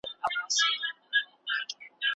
سر